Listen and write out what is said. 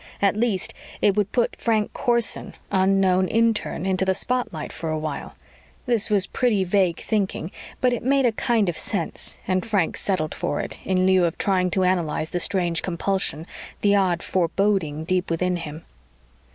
At least, it would put Frank Corson, unknown intern, into the spotlight for a while. This was pretty vague thinking but it made a kind of sense and Frank settled for it in lieu of trying to analyze the strange compulsion, the odd foreboding deep within him.